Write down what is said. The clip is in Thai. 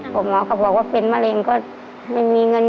หมอเขาบอกว่าเป็นมะเร็งก็ไม่มีเงิน